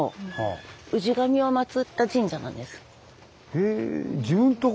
へえ。